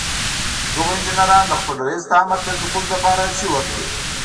دغو انجنيرانو د خپل رئيس د امر تطبيقولو لپاره هڅې وکړې.